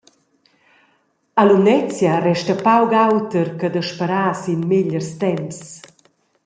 A Lumnezia resta pauc auter che da sperar sin megliers temps.